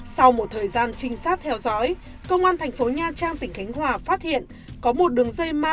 sau một thời gian trinh sát theo dõi công an thành phố nha trang tỉnh khánh hòa phát hiện có một đường dây ma túy